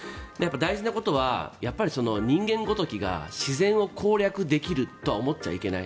大事なことは人間ごときが自然を攻略できるとは思っちゃいけない。